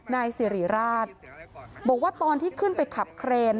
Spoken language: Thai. นายสิริราชบอกว่าตอนที่ขึ้นไปขับเครน